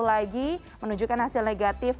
lagi menunjukkan hasil negatif